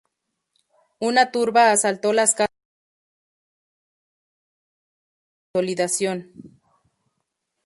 Una turba asaltó las casas de los beneficiarios del escándalo de la consolidación.